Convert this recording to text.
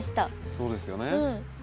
そうですよね。